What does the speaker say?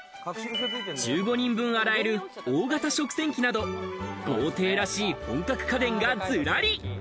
１５人分洗える大型食洗機など豪邸らしい本格家電がズラリ。